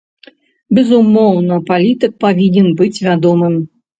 Безумоўна, палітык павінен быць вядомым.